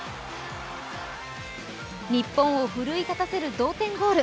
日本を奮い立たせる同点ゴール。